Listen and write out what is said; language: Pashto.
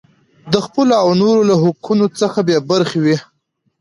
د خپلو او نورو له حقونو څخه بې خبره وي.